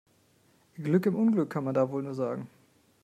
Glück im Unglück, kann man da wohl nur sagen.